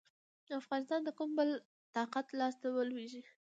افغانستان د کوم بل طاقت لاسته ولوېږي.